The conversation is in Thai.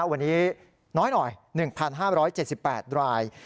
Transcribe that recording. วันนี้น้อย๑๕๗๘ราย